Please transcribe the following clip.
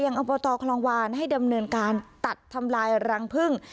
อบตคลองวานให้ดำเนินการตัดทำลายรังพึ่ง